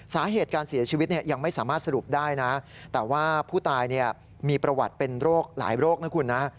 สาเหตุการเสียชีวิตเนี่ยยังไม่สามารถสรุปได้นะแต่ว่าผู้ตายเนี่ยมีประวัติเป็นโรคหลายโรคนะคุณนะ